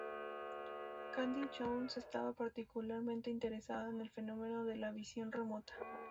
Candy Jones estaba particularmente interesada en el fenómeno de la visión remota.